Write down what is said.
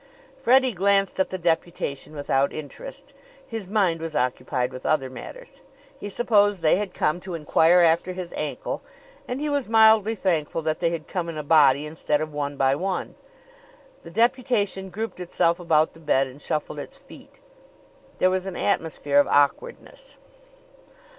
Freddie glanced at the deputation without interest. His mind was occupied with other matters. He supposed they had come to inquire after his ankle and he was mildly thankful that they had come in a body instead of one by one. The deputation grouped itself about the bed and shuffled its feet. There was an atmosphere of awkwardness.